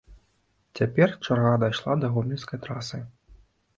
Цяпер чарга дайшла да гомельскай трасы.